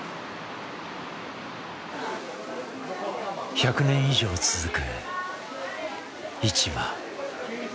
１００年以上続く市場。